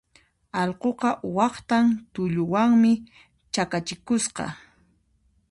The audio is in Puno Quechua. Allquqa waqtan tulluwanmi chakachikusqa.